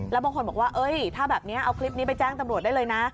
แล้วบางคนบอกว่าถ้าแบบนี้เอาคลิปนี้ไปแจ้งตำรวจได้เลยนะ